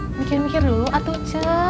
mikir mikir dulu atuh ce